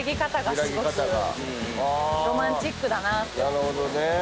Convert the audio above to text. なるほどね。